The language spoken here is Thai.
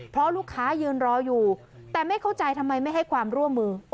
เพราะลูกค้ายืนรออยู่แต่ไม่เข้าใจทำไมไม่ให้ความร่วมมือ